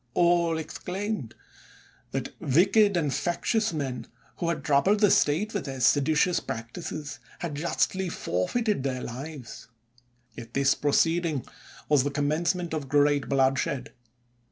All exclaimed that wicked and factious men, who had troubled the State with their seditious practises, had justly forfeited their lives. Yet this proceeding was the commencement of great bloodshed.